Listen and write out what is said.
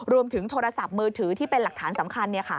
รวมถึงโทรศัพท์มือถือที่เป็นหลักฐานสำคัญ